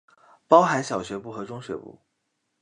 包含小学部和中学部。